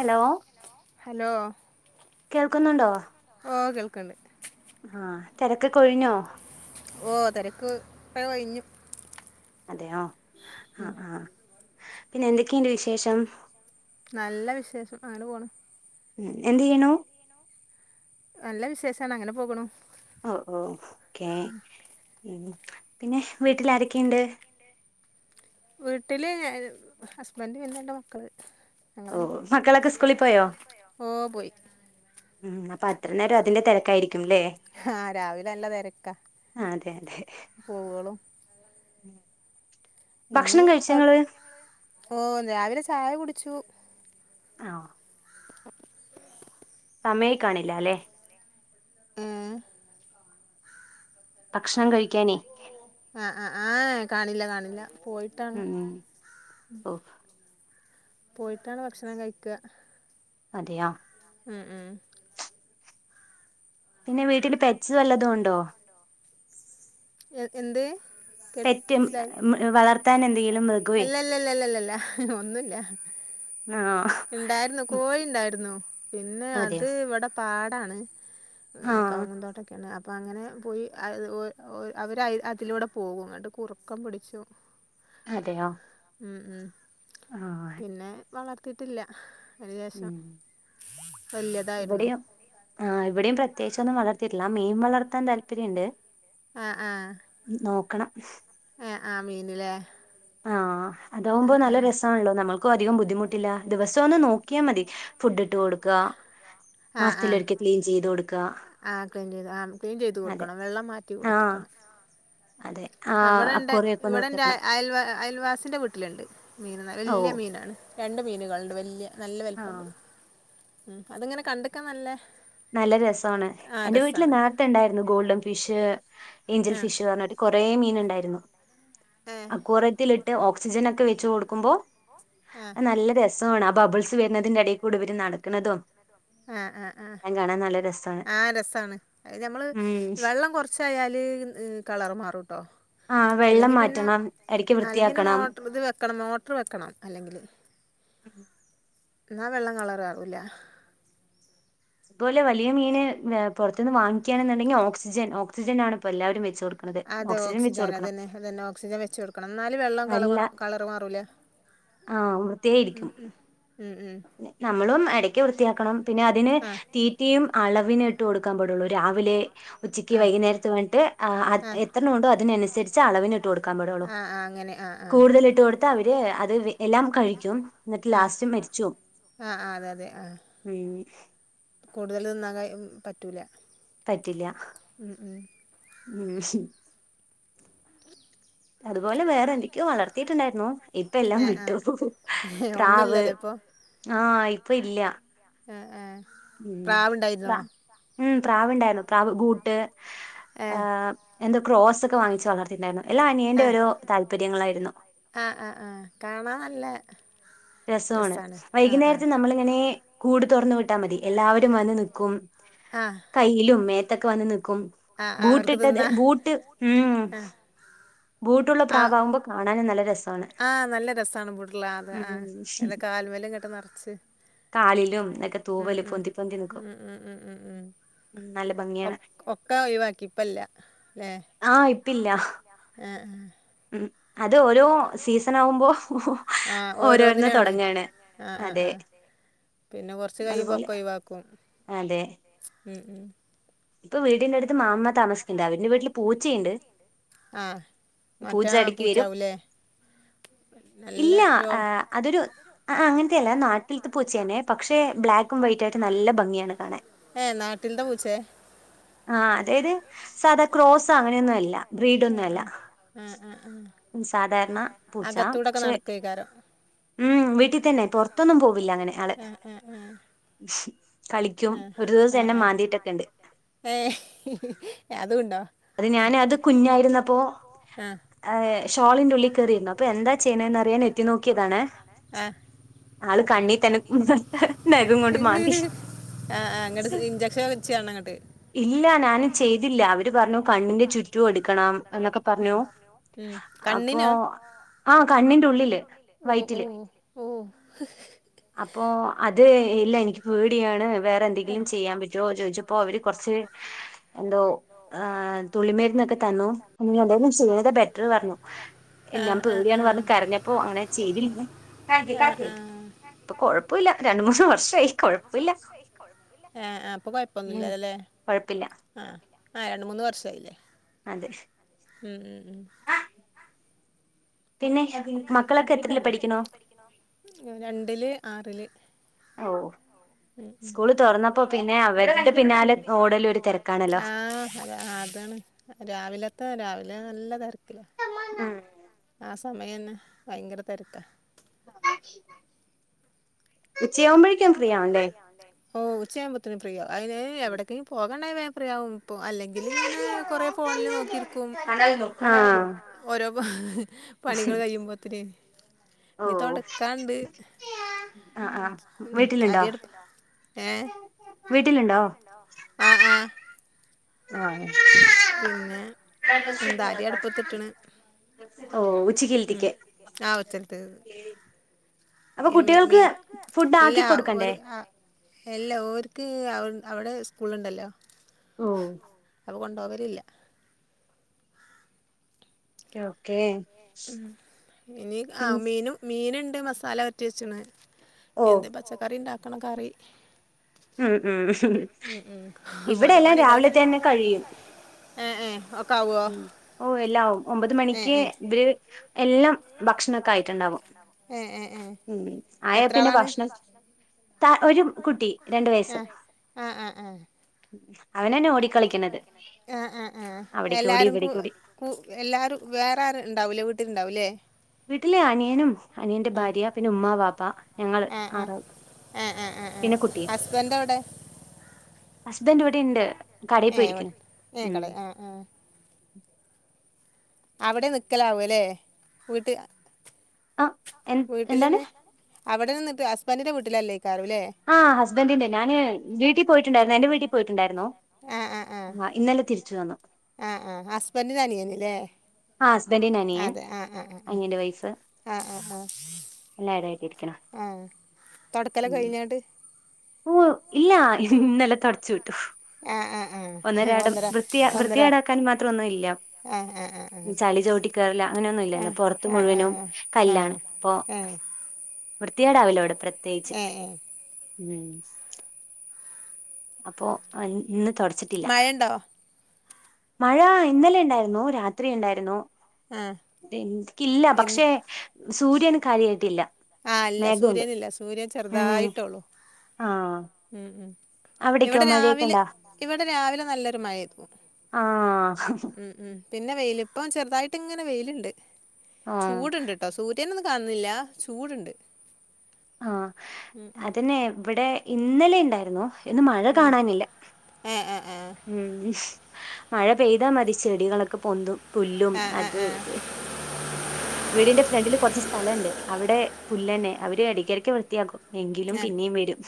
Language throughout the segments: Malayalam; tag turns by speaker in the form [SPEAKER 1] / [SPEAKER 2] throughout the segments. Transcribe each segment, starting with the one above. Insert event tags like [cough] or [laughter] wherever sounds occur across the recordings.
[SPEAKER 1] ഹലോ
[SPEAKER 2] ഹലൊ ഹലോ
[SPEAKER 1] കേൾക്കുന്നുണ്ടോ
[SPEAKER 2] ഓ കേൾക്ണ്ട്
[SPEAKER 1] ആഹ് തെരക്കൊക്കെ ഒഴിഞ്ഞോ
[SPEAKER 2] ഓ തെരക്ക് ഇപ്പ ഒഴിഞ്ഞ്
[SPEAKER 1] അതെയോ ആഹ് പിന്നെ എന്തക്കെണ്ട് വിശേഷം
[SPEAKER 2] നല്ല വിശേഷം അങ്ങനെ പോണ്
[SPEAKER 1] മ്ഹ് എന്ത് യ്യ്ണു
[SPEAKER 2] നല്ല വിശേഷാണ് അങ്ങനെപോക്ണു
[SPEAKER 1] ഓ ഓ ക്കെ മ്ഹ് പിന്നെ വീട്ടില് ആരെക്കെണ്ട്
[SPEAKER 2] വീട്ടില്ഹസ്ബന്ഡ് പിന്നെ രണ്ട്മക്കള്
[SPEAKER 1] ഓ ഒ മക്കളൊക്കെ സ്കൂളി പോയോ
[SPEAKER 2] ഓ പോയി
[SPEAKER 1] മ്മ്ഹ് അപ്പൊഅത്ര നേരം അതിന്റെ തെരക്കായിരിക്കുംല്ലേ
[SPEAKER 2] ഹാ രാവിലെ നല്ലതെരക്കാ
[SPEAKER 1] അതെ അതെ
[SPEAKER 2] പോവോളാം ഇനി
[SPEAKER 1] ഭക്ഷണം
[SPEAKER 2] തൊ
[SPEAKER 1] കഴിച്ചങ്ങള്
[SPEAKER 2] ഓ രാവിലെ ചായ കുടിച്ചു
[SPEAKER 1] ഓ സമയേ കാണില്ലലേ
[SPEAKER 2] ഏ
[SPEAKER 1] ഭക്ഷണം കഴിക്കാനേയ്
[SPEAKER 2] ആഹ് ആഹ് ആഹ് ഏ കാണില്ല കാണില്ല പോയി
[SPEAKER 1] മ്ഹ് ഓ
[SPEAKER 2] പോയിട്ടാണ് ഭക്ഷണം കഴിക്കാ
[SPEAKER 1] അതെയാ
[SPEAKER 2] മ്ഹ് മ്ഹ്
[SPEAKER 1] പിന്നെ വീട്ടില് പെക്സ് വല്ലതുണ്ടോ
[SPEAKER 2] എ എന്ത് കേട്ട്
[SPEAKER 1] പെറ്റ്
[SPEAKER 2] മനസിലായി
[SPEAKER 1] വളർത്താൻ എന്തെങ്കിലും മൃഗവേ
[SPEAKER 2] അല്ലല്ലല്ലല്ല ല്ലല്ല ഒന്നുല്ല
[SPEAKER 1] ആഹ്
[SPEAKER 2] ഇണ്ടായിരുന്നു കോഴി ഉണ്ടായിരുന്നു പിന്നെ
[SPEAKER 1] അതെയോ
[SPEAKER 2] അത് ഇവിടെ പാടാണ്
[SPEAKER 1] ആഹ്
[SPEAKER 2] കവുങ്ങ്ന്തോട്ടൊക്കെയാണ് അ പ്പം അങ്ങനെ പോയി അത് അവര് അതിലൂടെ പോകുംന്ന്ട്ട് കുറുക്കൻ പിടിച്ചും
[SPEAKER 1] അതെയോ.
[SPEAKER 2] ഉം ഉം
[SPEAKER 1] ആഹ്
[SPEAKER 2] പിന്നെ വളർത്തിട്ടില്ല. അതിന് ശേഷം
[SPEAKER 1] ഉം
[SPEAKER 2] വലിയതായിരുന്നു.
[SPEAKER 1] ഇവിടെയും ആഹ് ഇവിടെയും പ്രത്യേകിച്ചൊന്നും വളർത്തിട്ടില്ല മീൻ വളർത്തൻ താല്പര്യണ്ട്
[SPEAKER 2] ആഹ് ആഹ്
[SPEAKER 1] നോക്കണം.
[SPEAKER 2] ആഹ് ആ ഹ് മീനിലേ.
[SPEAKER 1] ആഹ് അതാമ്പോ
[SPEAKER 2] ആഹ്
[SPEAKER 1] നല്ല
[SPEAKER 2] ആഹ്
[SPEAKER 1] രസണല്ലോ നമ്മൾക്കും അധികം ബുദ്ധിമുട്ടില്ല ദിവസം ഒന്ന് നോക്കിയാ മതി. ഫുഡ് ഇട്ട് കൊടുക്ക
[SPEAKER 2] ആഹ് ആഹ്
[SPEAKER 1] മാസത്തിലൊരിക്കെ ക്ലീൻ ചെയ്ത് കൊടുക്ക.
[SPEAKER 2] ആഹ് ക്ലീൻ ആഹ് ക്ലീൻ ചെയ്ത് കൊടുക്കണം വെള്ളം മാറ്റി
[SPEAKER 1] ആഹ്
[SPEAKER 2] കൊടുക്കണം.
[SPEAKER 1] അതെ.
[SPEAKER 2] അഹ
[SPEAKER 1] ആഹ്
[SPEAKER 2] ഇവിടെ ണ്ട്
[SPEAKER 1] അക്കോറിയൊക്കെ ഒന്ന്
[SPEAKER 2] ഇവിടെൻ്റെ
[SPEAKER 1] വൃത്തിയാക്കണം
[SPEAKER 2] അയൽ അയൽവാസിൻ്റെ വീട്ടിലുണ്ട് മീൻ
[SPEAKER 1] ഓ
[SPEAKER 2] വലിയ മീനാ. രണ്ട് മീനുകളുണ്ട് വല്യ നല്ല വലുപ്പണ്ട്
[SPEAKER 1] ആഹ്
[SPEAKER 2] ഉം അതിങ്ങനെ കണ്ട്ക്കാൻ നല്ലേ.
[SPEAKER 1] നല്ല രസമാണ് എന്റെ വീട്ടില് നേരത്തെ ഉണ്ടായിരുന്നു ഗോൾഡൻ ഫിഷ് ഏഞ്ചൽ
[SPEAKER 2] ആ
[SPEAKER 1] ഫിഷ് പറഞ്ഞിട്ട്. കൊറേ മീന് ഉണ്ടായിരുന്നു.
[SPEAKER 2] ഏ
[SPEAKER 1] അക്വറിയത്തിലിട്ട് ഓക്സിജൻ ഒക്കെ വെച്ച് കൊടുക്കുമ്പോ
[SPEAKER 2] ആ
[SPEAKER 1] നല്ല രസ രസമണ് ആ ബബിൾസ് വരുന്നതിന്റെ ഇടയിൽ കൂടെ ഇവര് നടക്കണതും.
[SPEAKER 2] ആഹ് ആഹ് ആഹ്
[SPEAKER 1] രസമാണ്
[SPEAKER 2] ആഹ രസാണ് അത് നമ്മള്
[SPEAKER 1] ഉം
[SPEAKER 2] വെള്ളം കുറച്ച് കൊറചചാല് കളർ മാറുംട്ടോ.
[SPEAKER 1] ആ വെള്ളം
[SPEAKER 2] അല്ലെങ്കി പിന്നെ
[SPEAKER 1] മാറ്റണം ഇടയ്ക്ക്
[SPEAKER 2] അല്ലെങ്കിൽന്നെ
[SPEAKER 1] വൃത്തിയാക്കണം
[SPEAKER 2] മോട്ടർ ഇത് വെക്കണം മോട്ടർ വെക്കണം അല്ലെങ്കില്. എന്നാ വെള്ളം കളറ് ആവുല്ല.
[SPEAKER 1] അതുപോലെ വലിയ മീൻ പുറത്തു നിന്ന് വാങ്ങിക്കാണെന്നുണ്ടെങ്കിൽ ഓക്സിജൻ ഓക്സിജൻ ആണ് ഇപ്പോ എല്ലാവരും വെച്ചു കൊടുക്കുന്നത്.
[SPEAKER 2] അതെ
[SPEAKER 1] വെച്ച്
[SPEAKER 2] ഓക്സിജൻ
[SPEAKER 1] കൊടുക്കണം
[SPEAKER 2] അതന്നെ അതന്നെ ഓക്സിജൻ വെച്ച് കൊടുക്കണം എന്നാലും വെള്ളം കള കളർമാറൂല്ല.
[SPEAKER 1] ആഹ് വൃത്തിയായിരിക്കും.
[SPEAKER 2] ഉം ഉം
[SPEAKER 1] പിന്നെ നമ്മളും ഇടക്ക് വൃത്തിയാക്കണം പിന്നെ അതിന്
[SPEAKER 2] ആ
[SPEAKER 1] തീറ്റയും അളവിനെ ഇട്ടു കൊടുക്കാൻ പാടുള്ളൂ രാവിലെ ഉച്ചക്ക്
[SPEAKER 2] ആ ആ
[SPEAKER 1] വൈകുന്നരത്ത് പറഞ്ഞിട്ട് അ എത്രണം ഉണ്ടോ അതിനനുസരിച്ച് അളവിന് ഇട്ട് കൊടുക്കാൻ പടൊള്ളൂ.
[SPEAKER 2] അഹ അഹ അങ്ങനെ ആഹ
[SPEAKER 1] കൂടുതല് ഇട്ട് കൊടുത്ത അവര് അത് എല്ലാം കഴിക്കും എന്നിട്ട് ലാസ്റ്റ് മരിച്ചു പോവും.
[SPEAKER 2] അഹ അതെ അതെ ആഹ
[SPEAKER 1] ഉം
[SPEAKER 2] കൂടുതല് തിന്നാൻ കഴി പറ്റൂല.
[SPEAKER 1] പറ്റില്ല
[SPEAKER 2] ഉം ഉം
[SPEAKER 1] ഉം. അതുപോലെ വേറെ എന്തൊക്കെയോ വളർത്തിയിട്ടുണ്ടായിരുന്നു ഇപ്പോ എല്ലാം
[SPEAKER 2] ആ ആ
[SPEAKER 1] വിട്ടു പ്രാവ്
[SPEAKER 2] ഒന്നുമില്ലല്ലോ ഇപ്പോൾ
[SPEAKER 1] ആഹ് ഇപ്പോ ഇല്ല.
[SPEAKER 2] ആ ആ പ്രാവുണ്ടായിരുന്നോ
[SPEAKER 1] ഉം പ്രാവ്ണ്ടായിരുന്നു പ്രാവ് ബൂട്ട്
[SPEAKER 2] ഏ
[SPEAKER 1] ആഹ്. എന്തോ ക്രോസ് ഒക്കെ വാങ്ങിച്ച് വളർത്തിട്ടുണ്ടായിരുന്നു എല്ലാ അനിയൻന്റെ ഓരോ താല്പര്യങ്ങളായിരുന്നു.
[SPEAKER 2] ആഹ് ആഹ് ആഹ് കാണാൻ നല്ല
[SPEAKER 1] രസവാണ്
[SPEAKER 2] രസമാണ് ആ ആ
[SPEAKER 1] വൈകുന്നേരത്തെ നമ്മളിങ്ങനെ കൂട് തുറന്ന് വിട്ടാ മതി എല്ലാവരും വന്ന് നിക്കും.
[SPEAKER 2] ആഹ്.
[SPEAKER 1] കയ്യിലും മേത്തൊക്കെ വന്ന് നിക്കും
[SPEAKER 2] ആ അവർക്ക്
[SPEAKER 1] ബൂട്ടിട്ടത്
[SPEAKER 2] തിന്നാൻ
[SPEAKER 1] ബൂട്ട് ഉം. ബൂട്ടുള്ള
[SPEAKER 2] ആ ആ
[SPEAKER 1] പ്രാവകുമ്പോ കാണാനും നല്ല രസമാണ് ഉം.
[SPEAKER 2] അയിന്റെ കാൽമല് ങ്ങട്ട് നിറച്ച്.
[SPEAKER 1] കാലിലും ഒക്കെ
[SPEAKER 2] ഉം
[SPEAKER 1] തൂവല്
[SPEAKER 2] ഉം ഉം
[SPEAKER 1] പൊന്തി പൊന്തി നിക്കും
[SPEAKER 2] ഉം ഉം ഉം ഉം.
[SPEAKER 1] നല്ല ഭംഗി.
[SPEAKER 2] ഒക്കെ ഒഴിവാക്കി ഇപ്പല്ലല്ലേ.
[SPEAKER 1] ആഹ് ഇപ്പില്ല ഉം അത് ഓരോ സീസൺ ആവുമ്പോ ഓരോരുന്ന് തൊടങ്ങണ്.
[SPEAKER 2] ആഹ ആഹ ആ ഹപിന്നെ കൊർച്ച് കയുമ്പോ
[SPEAKER 1] അതുപോലെ
[SPEAKER 2] ഒക്ക ഒഴിവാക്കും.
[SPEAKER 1] അതെ
[SPEAKER 2] ഉം
[SPEAKER 1] ഇപ്പൊ വീടിന്റെടുത്ത് മാമ്മ താമസിക്കണ്ട് അവരുന്റെ വീട്ടില് പൂച്ചയുണ്ട്.
[SPEAKER 2] ആഹ
[SPEAKER 1] പൂച്ച
[SPEAKER 2] മറ്റാ
[SPEAKER 1] എടക്ക് വരും
[SPEAKER 2] പൂച്ചാവു ല്ലേ?
[SPEAKER 1] ഇല്ല ആ അതൊരു അങ്ങനത്തെ അല്ല നാട്ടിലത്തേ പൂച്ചേന്നെ. പക്ഷെ ബ്ലാക്കും വൈറ്റ ആയിട്ട് നല്ല ഭംഗിയുണ്ട് കാണാൻ.
[SPEAKER 2] ഏഹ് നാട്ടിൽത്തെ പൂച്ചേ.
[SPEAKER 1] ആഹ് അതായത് സാധാ ക്രോസ് അങ്ങനെയൊന്നും അല്ല ബ്രീഡ്
[SPEAKER 2] ആഹ്
[SPEAKER 1] ഒന്നും അല്ല.
[SPEAKER 2] ആഹ് ആഹ് ആഹ് ആഹ്
[SPEAKER 1] ഉം, സാധാരണ പൂച്ച
[SPEAKER 2] അകത്തൂടൊക്കെ
[SPEAKER 1] പക്ഷെ
[SPEAKER 2] നടക്കുഅയ്കാരം. വീട്ടിൽ തന്നെ പുറത്തൊന്നും പോവില്ല ഏഹ് ഏഹ് ഏഹ്
[SPEAKER 1] കളിക്കും ഒരു ദിവസം എന്നെ
[SPEAKER 2] വീട്ടിലെന്നെ
[SPEAKER 1] മാന്തിട്ടൊക്കെണ്ട്.
[SPEAKER 2] ഏഹ് അതുണ്ടോ
[SPEAKER 1] അത് ഞാൻ അത്
[SPEAKER 2] ഞാനത് കുഞ്ഞായിരുന്നപ്പോ ആഹ്.
[SPEAKER 1] ഷോളിന്റെ ഉള്ളിൽ കയറിയിരുന്നു അപ്പൊ എന്താ ചെയ്യണന്ന് അറിയാൻ എത്തിനോക്കിയതാണേ.
[SPEAKER 2] ആഹ്
[SPEAKER 1] ആള് കണ്ണി തന്നെ [unintelligible] നഖം കൊണ്ട് മാന്തി.
[SPEAKER 2] ആഹ് ആഹ് ഇങ്ങട്ട് ഇഞ്ചക്ഷൻ വെച്ചാണോ ഇങ്ങട്ട് ഇല്ല
[SPEAKER 1] ഇല്ല ഞാനും ചെയ്തില്ല അവര് പറഞ്ഞു. കണ്ണിന്റെ ചുറ്റും എടുക്കണം എന്നൊക്കെ പറഞ്ഞു അപ്പൊ.
[SPEAKER 2] ആഹ് കണ്ണിന്റെ ഉള്ളില് ഓ ഓ ഓ.
[SPEAKER 1] അപ്പൊ അത് ഇല്ല എനിക്ക്. പേടിയാണ് വേറെ എന്തെങ്കിലും ചെയ്യാൻ പറ്റോ ചോദിച്ചപ്പോ അവര് കൊർച്ച്. എന്തോ ഏ തുള്ളി മര് [unintelligible] ക്കെ തന്നു എന്തായാലും ചെയ്യ്ണത ബെറ്റർ പറഞ്ഞു. ഞാൻ
[SPEAKER 2] ആഹ് ആഹ്
[SPEAKER 1] പേടിയാണ് പറഞ്ഞു
[SPEAKER 2] ആഹ്
[SPEAKER 1] കരഞ്ഞ പ്പൊ അങ്ങനെ ചെയ്തില്ലാ.
[SPEAKER 2] ആഹ് ആഹ്.
[SPEAKER 1] രണ്ട് മൂന്ന് വർഷമായി
[SPEAKER 2] കൊഴ്പ്പല്ല്യ അഞ്ചു
[SPEAKER 1] കൊഴപ്പമില്ല
[SPEAKER 2] വർഷായി കൊഴ്പ്പല്ല്യ ആ ആ ഇപ്പൊ കുഴപ്പൊന്നുല്ലാലേ.
[SPEAKER 1] കൊഴപ്പല്ല.
[SPEAKER 2] അഹ് ആഹ് രണ്ട് മൂന്ന് വർഷായില്ലേ.
[SPEAKER 1] അതെ
[SPEAKER 2] ഉം ഉം ഉം
[SPEAKER 1] പിന്നെ മക്കളൊക്കെ എത്രീല് പഠിക്കുന്നു?
[SPEAKER 2] രണ്ടില് ആറില്.
[SPEAKER 1] ഓഹ് സ്കൂള് തുറന്നപ്പോ പിന്നെ അവരുടെ പിന്നാലെ ഓടല് ഒരു തെരക്കാണല്ലോ.
[SPEAKER 2] അതെ അതാണ് രാവിലത്ത രാവിലെ നല്ല തെരക്കില.
[SPEAKER 1] ഉം
[SPEAKER 2] ആഹ് സമയന്നെ ഭയങ്കര തെരക്കാ.
[SPEAKER 1] ഉച്ചയാവുമ്പോഴേക്കും ഫ്രീ ആവും ലേ?
[SPEAKER 2] ഓഹ് ഉച്ചയാകുമ്പോത്തേന് ഫ്രീ ആവും അയിന് എവടെക്കെങ്കിലും പോകാണ്ടായ വേ ഫ്രീ അല്ലെങ്കി ഇങ്ങനെ. കൊറെ ഫോണില് നോക്കിരിക്കും.
[SPEAKER 1] ആഹ്
[SPEAKER 2] ഓരോ പണികള് കയ്യുമ്പോത്തിന്.
[SPEAKER 1] ഓഹ്
[SPEAKER 2] അരി അട്പ്പ് ഏഹ്
[SPEAKER 1] വീട്ടിലുണ്ടോ
[SPEAKER 2] ആ ആഹ്. പിന്നെ എന്താ അരി അട്പ്പത്ത്ട്ട്ണ്.
[SPEAKER 1] ഓഹ്
[SPEAKER 2] ഉം ഉച്ചത്തേത്.
[SPEAKER 1] അപ്പൊ
[SPEAKER 2] ഇനി മീ മീ
[SPEAKER 1] കുട്ടികൾക്ക് ഫുഡ് ആക്കി
[SPEAKER 2] ഇല്ലാ
[SPEAKER 1] കൊടുക്കണ്ടേ
[SPEAKER 2] ഒരു ആ. എല്ല ഓര്ക്ക് അവടെ സ്കൂള്ള്ണ്ടല്ലോ
[SPEAKER 1] ഓ
[SPEAKER 2] അപ്പൊ കൊണ്ടോ വലില്ല.
[SPEAKER 1] ഓക്കെ
[SPEAKER 2] ഉം ഇനി ആ മീനു മീനുണ്ട് മസാല പൊര്ട്ടി വെച്ച്ണ്.
[SPEAKER 1] ഓ
[SPEAKER 2] ഇനി എന്തേലും പച്ചക്കറിണ്ടാക്കണം കറി
[SPEAKER 1] ഉം ഉം ഇവിടെ എല്ലാം രാവിലെത്തന്നെ കഴിയും
[SPEAKER 2] ഏഹ് ഏഹ് ഒക്ക്
[SPEAKER 1] ഉം ഓ എല്ലാം ഒമ്പത്
[SPEAKER 2] ഏ
[SPEAKER 1] മണിക്ക്
[SPEAKER 2] ഏ
[SPEAKER 1] ഇത് എല്ലാം ഭക്ഷണക്കൊയിട്ടുണ്ടാവും
[SPEAKER 2] ഏ ഏ ഏ
[SPEAKER 1] ഉ
[SPEAKER 2] എത്ര
[SPEAKER 1] ആയാപ്പന്നെ
[SPEAKER 2] ആളാണ്
[SPEAKER 1] ഭക്ഷണം ത ഒരു കുട്ടി രണ്ടു വയസ്സ്
[SPEAKER 2] ആ
[SPEAKER 1] അവനാണ് ഓടിക്കളിക്കണത്
[SPEAKER 2] ആഹ് ആഹ് ആഹ്
[SPEAKER 1] അവിടേക്കോടി
[SPEAKER 2] എല്ലാരും കു
[SPEAKER 1] ഇവിടേക്കോടി
[SPEAKER 2] കു എല്ലാവരും വേറെ ആരു ഉണ്ടാവില്ലേ വീട്ടിൽ ഉണ്ടാവില്ലേ
[SPEAKER 1] വീട്ടിലെ അനിയനും അനിയന്റെ ഭാര്യ പിന്നെ ഉമ്മ ബാപ്പ
[SPEAKER 2] ആഹ് ആഹ് ആഹ് ആഹ ഹ് ആഹ് ആഹ്
[SPEAKER 1] പിന്നെ കുട്ടി
[SPEAKER 2] ഹസ്ബൻഡ് എവിടെ
[SPEAKER 1] ഹസ്ബൻഡ് ഇവിടെ ഉണ്ട് കടയിൽ
[SPEAKER 2] ഏ ഇവിടെ
[SPEAKER 1] പോയിരിക്കുന്നു
[SPEAKER 2] ഏ
[SPEAKER 1] ഉം
[SPEAKER 2] കള ആ ആ അവിടെ നിക്കലാവൂല്ലേ വീട്ട്
[SPEAKER 1] ആ എ
[SPEAKER 2] വീട്ടിൽ
[SPEAKER 1] എന്താണ്
[SPEAKER 2] തന്നെ അവിടെ നിന്നിട്ട് ഹസ്ബൻടിന്റെ വീട്ടിലല്ലേക്കാറുംല്ലേ
[SPEAKER 1] ആഹ് ഹസ്ബൻറിൻന്റെ ഞാന് വീട്ടിൽ പോയിട്ടുണ്ടായിരുന്നു എന്റെ വീട്ടിൽ പോയിട്ടുണ്ടായിരുന്നു
[SPEAKER 2] ഏ ഏ ഏ
[SPEAKER 1] ആഹ് ഇന്നലെ തിരിച്ചു വന്നു
[SPEAKER 2] ആഹ് ആഹ് ഹസ്ബൻഡന്റെ അനിയന്നല്ലേ
[SPEAKER 1] ആ ഹസ്ബൻഡിന്റെ അനിയൻ
[SPEAKER 2] അതെ ആഹ് ആഹ് ആഹ് ആഹ് ആഹ് ആഹ് ആഹ്
[SPEAKER 1] എല്ലാരുയിട്ടരിക്കണം ഉ
[SPEAKER 2] തുടക്കലൊക്കെ കഴിഞ്ഞാണ്ട്
[SPEAKER 1] ഉവ്വ് ഇല്ല ഇ ഇന്നലെ തുടച്ചു വിട്ടു
[SPEAKER 2] ആ ആ ആ
[SPEAKER 1] ഒന്നരാടം
[SPEAKER 2] ഒന്നര
[SPEAKER 1] വൃത്തിയാ
[SPEAKER 2] ഒന്നര
[SPEAKER 1] വൃത്തിയാടാക്കാൻ മാത്രം ഒന്നും ഇല്ല
[SPEAKER 2] ആ ആ ആ ആ
[SPEAKER 1] ചളി ചോട്ടി കറല
[SPEAKER 2] ആ
[SPEAKER 1] അങ്ങനെയൊന്നുമല്ലല്ലോ പൊറത്ത്
[SPEAKER 2] ആ
[SPEAKER 1] മുഴുവനും
[SPEAKER 2] ആ ആ ആ
[SPEAKER 1] കല്ലാണ് പ്പൊ വൃത്തിയാടാവില്ലോ ഇവിടെ പ്രത്യേകിച്ച്
[SPEAKER 2] ഏ ഏ ഏ
[SPEAKER 1] അപ്പോ ഇന്ന് തുടച്ചിട്ട്
[SPEAKER 2] മഴ ഉണ്ടോ
[SPEAKER 1] മഴ ഇന്നലെ ഉണ്ടായിരുന്നു രാത്രി ഉണ്ടായിരുന്നു
[SPEAKER 2] ആ
[SPEAKER 1] നിക്കില്ല
[SPEAKER 2] ഇന്ന്
[SPEAKER 1] പക്ഷെ സൂര്യന് കാര്യായിട്ടില്ല
[SPEAKER 2] ആഹ് ഇല്ല
[SPEAKER 1] മേഘമുണ്ട്
[SPEAKER 2] സൂര്യനില്ല സൂര്യൻ
[SPEAKER 1] ഉം
[SPEAKER 2] ചെറുതായിട്ടോള്ളു
[SPEAKER 1] ആഹ്
[SPEAKER 2] ഉം ഉം
[SPEAKER 1] അവിടേക്കോ
[SPEAKER 2] ഇവിടെ
[SPEAKER 1] മഴയൊക്കെ
[SPEAKER 2] രാവിലെ
[SPEAKER 1] ഇണ്ടാ
[SPEAKER 2] ഇവിടെ രാവിലെ നല്ലൊരു മഴേതുവും
[SPEAKER 1] ആഹ്
[SPEAKER 2] ഉം ഉം പിന്നെ വെയിലിപ്പം ചെറുതായിട്ട് ഇങ്ങനെ വെയിലുണ്ട്
[SPEAKER 1] ആഹ്
[SPEAKER 2] ചൂടുണ്ട്ട്ടോ ട്ടോ സൂര്നെ ഒന്നും കാണുന്നില്ല ചൂടുണ്ട്
[SPEAKER 1] ആഹ് അതന്നെ ഇവിടെ ഇന്നലെ ഉണ്ടായിരുന്നോ ഇന്ന് മഴ കാണാനില്ല
[SPEAKER 2] ഉം ഉം ഉം
[SPEAKER 1] ഉം മഴ പെയ്താ മതി ചെടികളൊക്കെ പൊന്തും പുല്ലും
[SPEAKER 2] ആ ആ ആ
[SPEAKER 1] അത്ത്
[SPEAKER 2] ആ ആ
[SPEAKER 1] വീടിന്റെ ഫ്രണ്ടില് കുറച്ച് സ്ഥലംണ്ട് അവിടെ പുല്ലന്നെ അവര് ഇടക്കിടക്ക് വൃത്തിയാക്കും എങ്കിലും പിന്നെയും വരും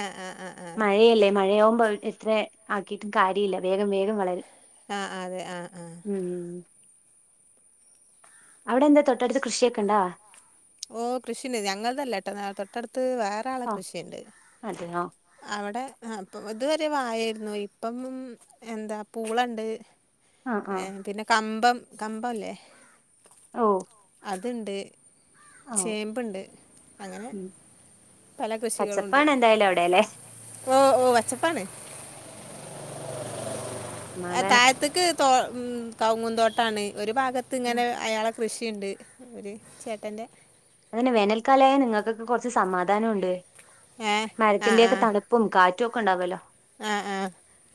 [SPEAKER 2] ആ ആ ആ
[SPEAKER 1] മഴയല്ലേ മഴയാകുമ്പോ അത്ര ആക്കിയിട്ടും കാര്യമില്ല വേഗം വേഗം വളരും
[SPEAKER 2] ആഹ്ആഹ് അതെ ആഹ് ആഹ
[SPEAKER 1] ഉം ഉം അവിടെ ന്ത തൊട്ടടുത്ത് കൃഷിയൊക്കെണ്ടാ
[SPEAKER 2] ഓ കൃഷിയണ്ട് ഞങ്ങൾ തല്ല ട്ടോ തൊട്ടടുത്ത് വേറെ ആളുടെ
[SPEAKER 1] ഓ
[SPEAKER 2] കൃഷിയുണ്ട്
[SPEAKER 1] അതെയോ
[SPEAKER 2] അവിടെ അപ്പൊ ഇതുവരെ വായായിരുന്നു ഇപ്പം എന്താ പൂളുണ്ട്
[SPEAKER 1] ആ ആ
[SPEAKER 2] ഏ പിന്നെ കമ്പം കമ്പംല്ലേ
[SPEAKER 1] ഓ
[SPEAKER 2] അത് ണ്ട്
[SPEAKER 1] ഓ
[SPEAKER 2] ചേമ്പ്ണ്ട് അങ്ങനെ
[SPEAKER 1] ഉം
[SPEAKER 2] പല കൃഷികളുണ്ട്
[SPEAKER 1] പച്ചപ്പാണ് എന്തായാലും അവിടെല്ലെ
[SPEAKER 2] ഓ ഓ അച്ചപ്പാണ് ആഹ
[SPEAKER 1] സമാധാനം
[SPEAKER 2] താഴത് പ്പം ഉം കവങ്ങുന്തോട്ടാണ് ഒരു ഭാഗത്ത്
[SPEAKER 1] ഉം
[SPEAKER 2] ഇങ്ങനെ അയാളെ കൃഷിണ്ട് ഒര് ചേട്ടൻ്റെ
[SPEAKER 1] അതന്നെ വേനൽക്കാലായ നിങ്ങക്കൊക്കെ കൊറച്ച് സമാധാനം ഉണ്ട്
[SPEAKER 2] ഏ
[SPEAKER 1] മരത്തിന്റെ ഒക്കെ തണുപ്പും കാറ്റും ഒക്കെ ഇണ്ടാവല്ലോ
[SPEAKER 2] ആഹ് ആഹ്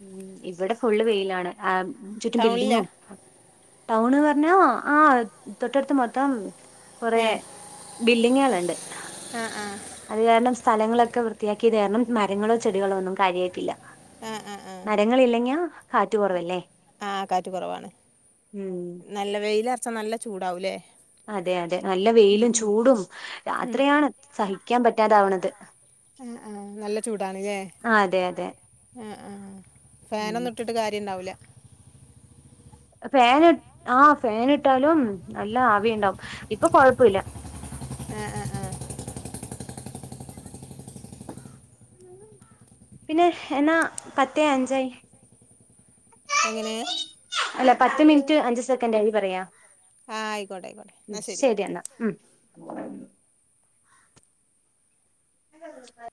[SPEAKER 1] ഉം ഇവടെ ഫുള്ള് വെയിലാണ് ആഹ് ചുറ്റും
[SPEAKER 2] ടൗണിലാ
[SPEAKER 1] ബിൽഡിംഗും ടൗണ്ന്ന് പറഞ്ഞ ആഹ് തൊട്ടടുത്ത് മൊത്തം കൊറേ ബില്ലിങ്ങള് ഇണ്ട്
[SPEAKER 2] ആഹ് ആഹ്
[SPEAKER 1] അത് കാരണം സ്ഥലങ്ങളൊക്കെ വൃത്തിയാക്കിയത് കാരണം മരങ്ങളോ ചെടികളോ ഒന്നും കാര്യയിട്ടില്ല
[SPEAKER 2] ആ ആ ആ
[SPEAKER 1] മരങ്ങളില്ലെങ്കാ കാറ്റ് കൊറവല്ലേ
[SPEAKER 2] ആ കാറ്റ് കുറവാണ്
[SPEAKER 1] ഉം
[SPEAKER 2] നല്ല വെയിലറച്ചാ നല്ല ചൂടാവൂല്ലേ
[SPEAKER 1] അതെ അതെ നല്ല വെയിലും ചൂടും രാത്രിയാണ് സഹിക്കാൻ പറ്റാതാവ്ണത്
[SPEAKER 2] ആഹ് ആഹ് നല്ല ചൂടാണ് ല്ലെ
[SPEAKER 1] ആ അതെ അതെ
[SPEAKER 2] ആഹ് ആഹ്
[SPEAKER 1] ഉം
[SPEAKER 2] ഫാനൊന്നും ഇട്ടിട്ട് കാര്യണ്ടാവൂല്ല
[SPEAKER 1] ഫേന് ആഹ് ഫേന് ഇട്ടാലും നല്ല ആവിണ്ടാവും ഇപ്പൊ കൊഴപ്പയില്ല
[SPEAKER 2] ആഹ് ആഹ് ആഹ്
[SPEAKER 1] പിന്നെ എന്നാ പത്തെ അഞ്ചായി
[SPEAKER 2] എങ്ങനെ
[SPEAKER 1] അല്ല പത്ത് മിനിറ്റ് അഞ്ച് സെക്കൻഡായി പറയാ
[SPEAKER 2] ആ ആയിക്കോട്ടെ ആയിക്കോട്ടെ
[SPEAKER 1] ഉം
[SPEAKER 2] എന്നാൽ ശരി
[SPEAKER 1] ശരിയെന്നാ ഉം [unintelligible]